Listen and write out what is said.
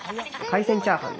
海鮮チャーハン。